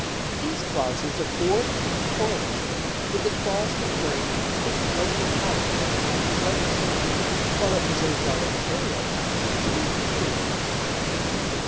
These clauses are co ordinate and correlative with the clause conferring complete local powers on the Irish Legislature, while it preserves all imperial powers to the Imperial Legislature.